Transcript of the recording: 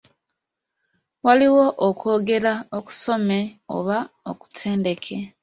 Waliwo okwogera okusome oba okutendeke.